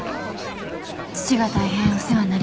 父が大変お世話になりました。